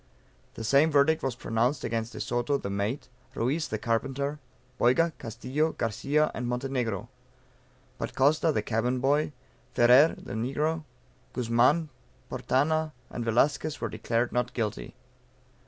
The same verdict was pronounced against De Soto (the mate) Ruiz, (the carpenter,) Boyga, Castillo, Garcia and Montenegro. But Costa, (the cabin boy,) Ferrer (the negro,) Guzman, Portana, and Velasquez, were declared NOT GUILTY.